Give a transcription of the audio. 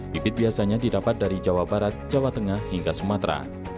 bibit biasanya didapat dari jawa barat jawa tengah hingga sumatera